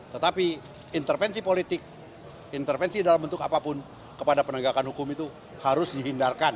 tetapi intervensi politik intervensi dalam bentuk apapun kepada penegakan hukum itu harus dihindarkan